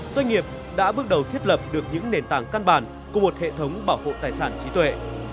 doanh nghiệp đã bước đầu thiết lập được những nền tảng căn bản của một hệ thống bảo hộ tài sản trí tuệ